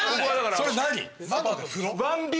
それ何？